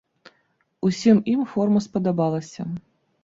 Усім ім форма спадабалася.